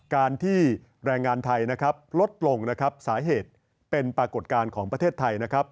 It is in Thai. การที่แรงงานไทยนะครับลดลงนะครับสาเหตุเป็นปรากฏการณ์ของประเทศไทยนะครับ